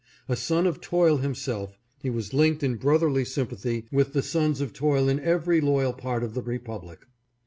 A son of toil himself, he was linked in broth erly sympathy with the sons of toil in every loyal part of the republic.